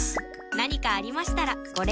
何かありましたらご連絡を！